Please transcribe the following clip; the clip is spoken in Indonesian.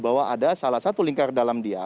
bahwa ada salah satu lingkar dalam dia